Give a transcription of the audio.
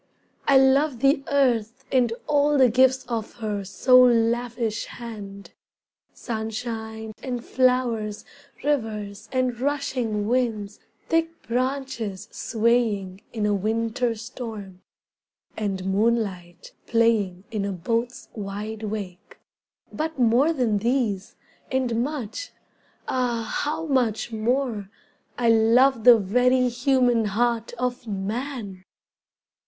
I love the earth And all the gifts of her so lavish hand: Sunshine and flowers, rivers and rushing winds, Thick branches swaying in a winter storm, And moonlight playing in a boat's wide wake; But more than these, and much, ah, how much more, I love the very human heart of man.